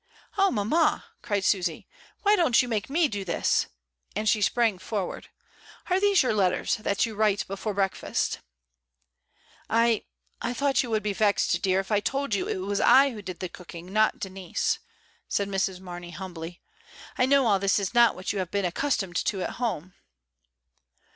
"Oh! mamma," cried Susy, "why don't you make me do this?" and she sprang forward. "Are these your letters that you write before breakfast?" "I — I thought you would be vexed, dear, if I told you it was I who did the cooking, not Denise," said Mrs. Marney humbly. "I know all this is not what you have been accustomed to at home."